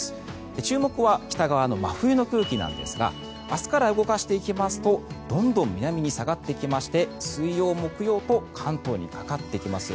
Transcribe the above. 注目は北側の真冬の空気なんですが明日から動かしていきますとどんどん南に下がってきまして水曜、木曜と関東にかかってきます。